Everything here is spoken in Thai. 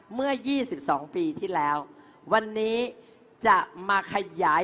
เมื่อ๒๒ปีที่แล้ววันนี้จะมาขยาย